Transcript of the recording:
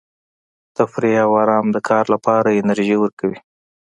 تفریح او ارام د کار لپاره انرژي ورکوي.